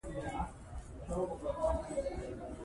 ـ د سپيو کور په کور بدي ده مسافر ته په يوه لار وي.